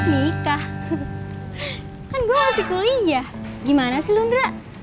nikah kan gua masih kuliah gimana sih ndra